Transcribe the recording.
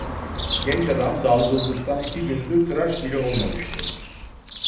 Genç adam dalgınlıktan iki gündür tıraş bile olmamıştı.